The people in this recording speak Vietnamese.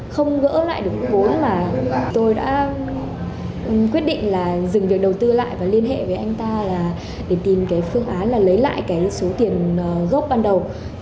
không gỡ lại được vốn là tôi đã quyết định là dừng việc đầu tư lại và liên hệ với anh ta là để tìm cái phương án là lấy lại cái số tiền gốc ban đầu